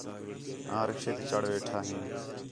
آں رکشے تی چڑھ ویٹھا ہیں